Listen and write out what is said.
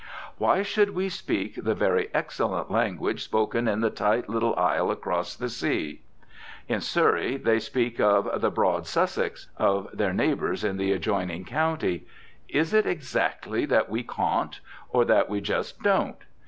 Why should we speak the very excellent language spoken in the tight little isle across the sea? In Surrey they speak of the "broad Sussex" of their neighbours in the adjoining county. Is it exactly that we caun't? Or that we just don't?